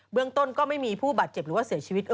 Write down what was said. เรื่องต้นก็ไม่มีผู้บาดเจ็บหรือว่าเสียชีวิต